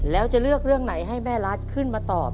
แล้วจะเลือกเรื่องไหนให้แม่รัฐขึ้นมาตอบ